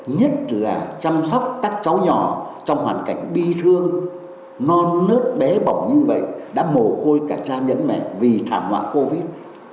nhất là chăm sóc các cháu nhỏ trong hoàn cảnh bi thương non nớt bé bỏng như vậy đã mồ côi cả cha nhấn mẹ vì thảm họa covid